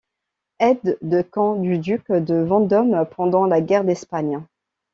Aide de camp du duc de Vendôme pendant la guerre d’Espagne.